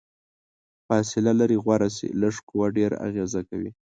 فاصله لرې غوره شي، لږه قوه ډیره اغیزه کوي.